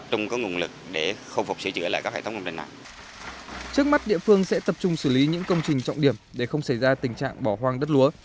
trước mắt địa phương sẽ tập trung xử lý những công trình trọng điểm để không xảy ra tình trạng bỏ hoang đất lúa